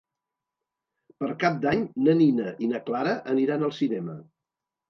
Per Cap d'Any na Nina i na Clara aniran al cinema.